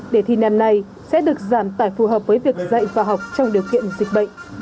để thi năm nay sẽ được giảm tải phù hợp với việc dạy và học trong điều kiện dịch bệnh